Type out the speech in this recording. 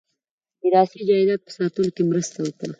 میراثي جایداد په ساتلو کې مرسته وکړه.